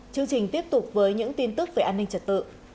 chương trình tiếp tục với những tin tức về an ninh trật tự